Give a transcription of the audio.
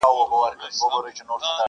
بخت به کله خلاصه غېږه په خندا سي٫